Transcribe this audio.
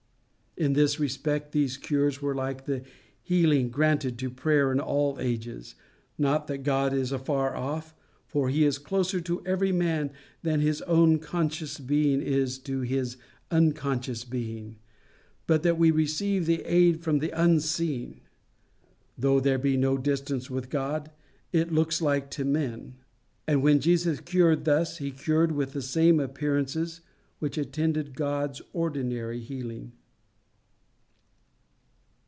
In this respect, these cures were like the healing granted to prayer in all ages not that God is afar off, for he is closer to every man than his own conscious being is to his unconscious being but that we receive the aid from the Unseen. Though there be no distance with God, it looks like it to men; and when Jesus cured thus, he cured with the same appearances which attended God's ordinary healing.